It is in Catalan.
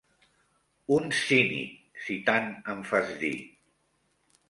Un cínic, si tant em fas dir…